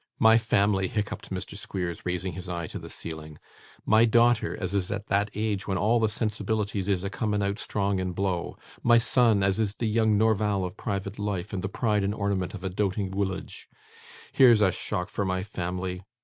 'My family!' hiccuped Mr. Squeers, raising his eye to the ceiling: 'my daughter, as is at that age when all the sensibilities is a coming out strong in blow my son as is the young Norval of private life, and the pride and ornament of a doting willage here's a shock for my family!